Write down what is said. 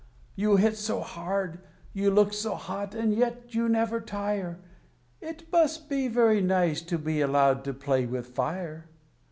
You hit so hard, you look so hot, and yet you never tire; It must be very nice to be allowed to play with fire.